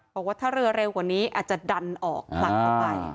บอกว่าถ้าเรือเร็วกว่านี้อาจจะดันออกผลักออกไป